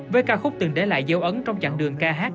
với ca khúc từng để lại dấu ấn trong chặng đường ca hát